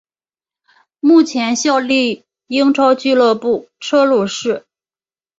目前效力英超俱乐部车路士。